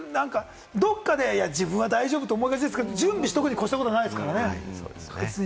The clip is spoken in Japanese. どっかで自分は大丈夫と思いがちですけれども、準備しておくに越したことはないですからね。